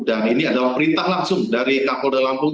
dan ini adalah perintah langsung dari kampolda lampung